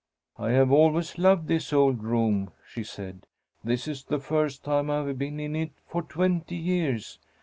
"I have always loved this old room," she said. "This is the first time I have been in it for twenty years.